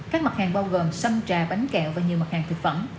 các mặt hàng bao gồm sanh trà bánh kẹo và nhiều mặt hàng thực phẩm